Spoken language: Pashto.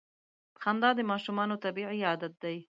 • خندا د ماشومانو طبیعي عادت دی.